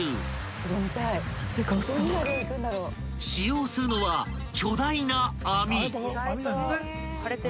［使用するのは巨大な網］